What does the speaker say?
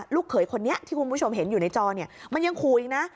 เขยคนนี้ที่คุณผู้ชมเห็นอยู่ในจอเนี่ยมันยังขู่อีกนะ